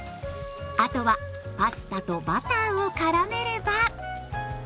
あとはパスタとバターをからめれば。